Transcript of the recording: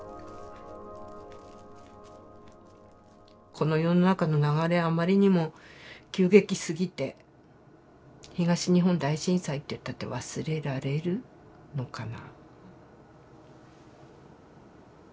この世の中の流れはあまりにも急激すぎて東日本大震災っていったって忘れられるのかな？